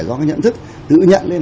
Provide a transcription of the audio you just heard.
do cái nhận thức tự nhận lên